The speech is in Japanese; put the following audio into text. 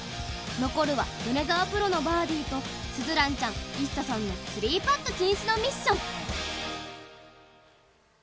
残るは米澤プロのバーディーと鈴蘭ちゃんＩＳＳＡさんのスリーパット禁止のミッション。